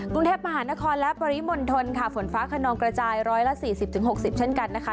กรุงเทพมหานครและปริมนธนค่ะฝนฟ้าคนนองกระจายร้อยละสี่สิบถึงหกสิบเช่นกันนะคะ